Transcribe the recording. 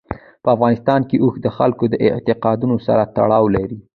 په افغانستان کې اوښ د خلکو د اعتقاداتو سره تړاو لري.